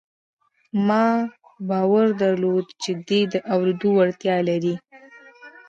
ما باور درلود چې دی د اورېدو وړتیا لري